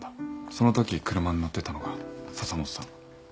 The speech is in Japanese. そのとき車に乗ってたのが笹本さん